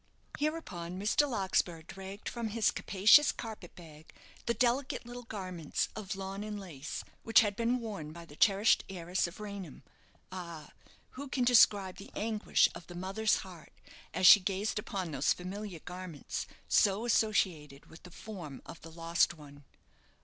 Hereupon Mr. Larkspur dragged from his capacious carpet bag the delicate little garments of lawn and lace which had been worn by the cherished heiress of Raynham. Ah! who can describe the anguish of the mother's heart as she gazed upon those familiar garments, so associated with the form of the lost one?